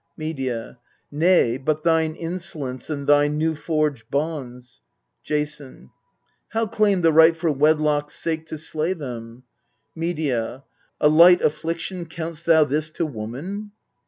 Medea. Nay, but thine insolence and thy new forged bonds. Jason. How, claim the right for wedlock's sake to slay them ! Medea. A light affliction count'st thou this to woman